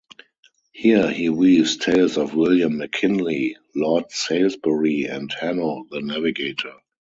Here he weaves tales of William McKinley, Lord Salisbury, and Hanno the Navigator.